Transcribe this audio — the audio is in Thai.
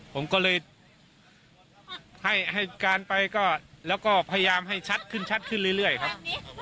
ผมก็เลยให้การไปก็แล้วก็พยายามให้ชัดขึ้นชัดขึ้นเรื่อยครับ